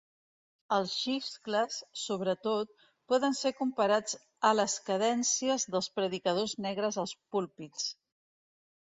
Els xiscles, sobretot, poden ser comparats a les cadències dels predicadors negres als púlpits.